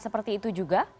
seperti itu juga